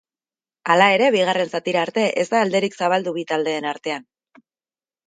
Hala ere, bigarren zatira arte ez da alderik zabaldu bi taldeen artean.